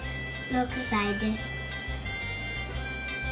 ６さいです。